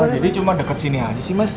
jadi cuma deket sini aja sih mas